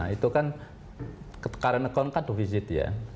itu kan karenakon kan defisit ya